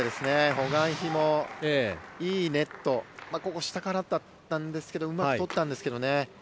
ホ・グァンヒもいいネットここ、下からだったんですがうまく取ったんですけどね。